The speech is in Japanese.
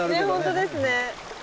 本当ですね。